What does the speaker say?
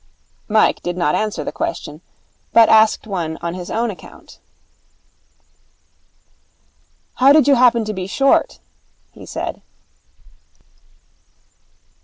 Mike did not answer the question, but asked one on his own account. 'How did you happen to be short?' he said.